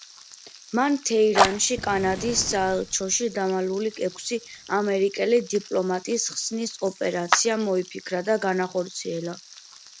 მან თეირანში კანადის საელჩოში დამალული ექვსი ამერიკელი დიპლომატის ხსნის ოპერაცია მოიფიქრა და განახორციელა.